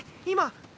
今。